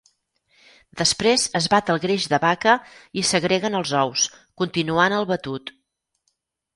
Després es bat el greix de vaca i s'agreguen els ous, continuant el batut.